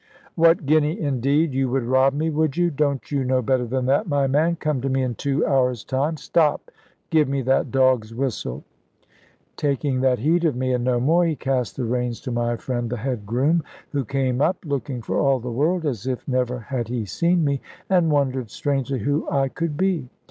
"What guinea, indeed! You would rob me, would you? Don't you know better than that, my man? Come to me in two hours' time. Stop, give me that dog's whistle!" Taking that heed of me, and no more, he cast the reins to my friend the head groom, who came up, looking for all the world as if never had he seen me, and wondered strangely who I could be.